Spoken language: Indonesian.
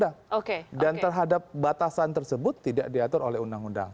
untuk mengatasi hal ini kami lebih memilih untuk patuh kepada undang undang